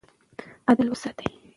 عدل وساتئ.